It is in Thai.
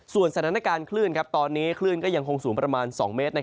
สถานการณ์คลื่นตอนนี้คลื่นก็ยังคงสูงประมาณ๒เมตร